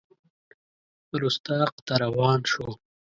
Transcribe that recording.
رُستاق ته روان شو.